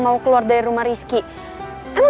mau keluar dari rumah rizky